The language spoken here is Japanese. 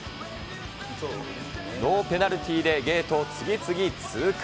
ノーペナルティーでゲートを次々通過。